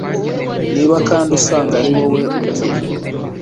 niba kandi usanga ari wowe ujye